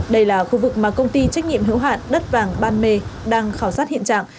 đây là khu vực mà công ty trách nhiệm hữu hạn đất vàng ban mê đang khảo sát hiện trạng